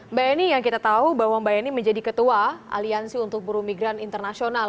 mbak eni yang kita tahu bahwa mbak eni menjadi ketua aliansi untuk buru migran internasional